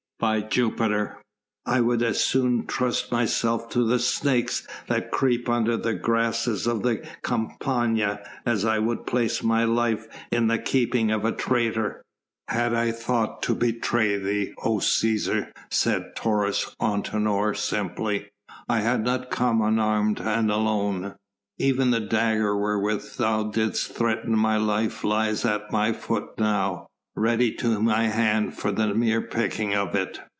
By Jupiter, I would as soon trust myself to the snakes that creep under the grasses of the Campania, as I would place my life in the keeping of a traitor." "Had I thought to betray thee, O Cæsar," said Taurus Antinor simply, "I had not come unarmed and alone. Even the dagger wherewith thou didst threaten my life lies at my foot now, ready to my hand for the mere picking up of it."